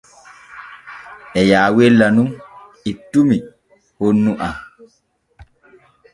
E yaawella nun ettumi honnu am.